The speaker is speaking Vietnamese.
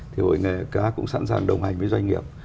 thì hội nghề cá cũng sẵn sàng đồng hành với doanh nghiệp